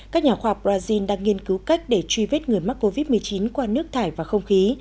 các nhà khoa học brazil đang nghiên cứu cách để truy vết người mắc covid một mươi chín qua nước thải và không khí